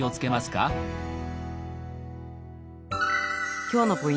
今日のポイント。